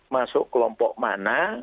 masuk kelompok mana